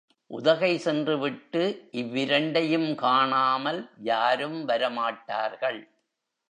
உதகை சென்றுவிட்டு இவ்விரண்டையும் காணாமல் யாரும் வரமாட்டார்கள்.